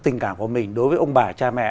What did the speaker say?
tình cảm của mình đối với ông bà cha mẹ